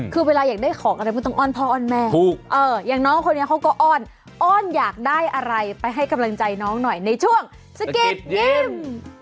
คือเวลาอยากได้ของอะไรมันต้องอ้อนพ่ออ้อนแม่อย่างน้องคนนี้เขาก็อ้อนอ้อนอยากได้อะไรไปให้กำลังใจน้องหน่อยในช่วงสะกิดยิ้ม